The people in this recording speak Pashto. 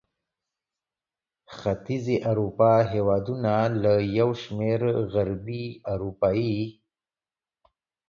ختیځې اروپا هېوادونه له یو شمېر غربي اروپايي